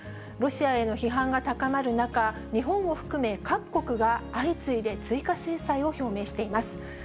ロシアへの批判が高まる中、日本を含め各国が相次いで追加制裁を表明しています。